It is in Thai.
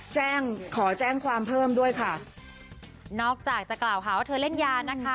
ขอแจ้งความเพิ่มด้วยค่ะนอกจากจะกล่าวหาว่าเธอเล่นยานะคะ